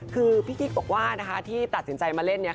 คือพี่กิ๊กบอกว่าที่ตัดสินใจมาเล่น